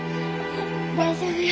大丈夫よ。